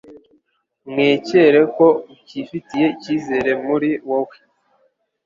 mwekere ko ukifitiye icyizere muri wowe